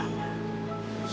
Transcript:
tapi begitulah kenyataan